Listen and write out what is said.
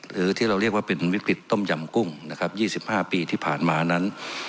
หรือที่เราเรียกว่าเป็นวิกฤตต้มยำกุ้งนะครับ๒๕ปีที่ผ่านมานั้น